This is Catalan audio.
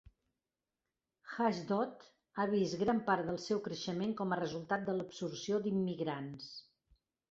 Ashdod ha vist gran part del seu creixement com a resultat de l'absorció d'immigrants.